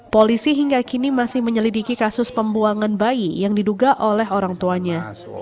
polisi hingga kini masih menyelidiki kasus pembuangan bayi yang diduga oleh orang tuanya